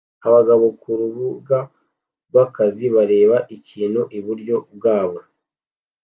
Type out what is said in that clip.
Abagabo kurubuga rwakazi bareba ikintu iburyo bwabo